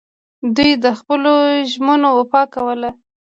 دوی د خپلو ژمنو وفا کوله